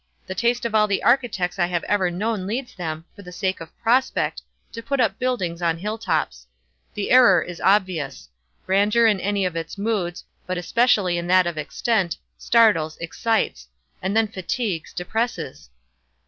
The taste of all the architects I have ever known leads them, for the sake of 'prospect,' to put up buildings on hill tops. The error is obvious. Grandeur in any of its moods, but especially in that of extent, startles, excites—and then fatigues, depresses.